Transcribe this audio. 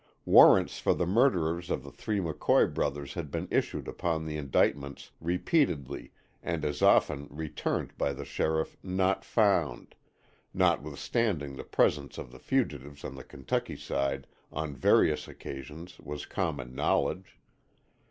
Warrants for the murderers of the three McCoy brothers had been issued upon the indictments repeatedly and as often returned by the sheriff "not found," notwithstanding the presence of the fugitives on the Kentucky side on various occasions was common knowledge.